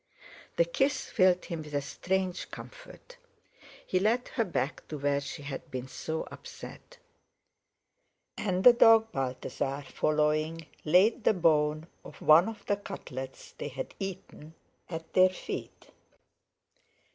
The kiss filled him with a strange comfort; he led her back to where she had been so upset. And the dog Balthasar, following, laid the bone of one of the cutlets they had eaten at their feet.